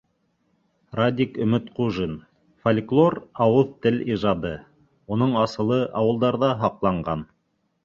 Радик Өмөтҡужин: Фольклор - ауыҙ-тел ижады, уның асылы ауылдарҙа һаҡланған.